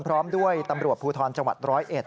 พร้อมด้วยตำรวจภูทรจังหวัดร้อยเอ็ด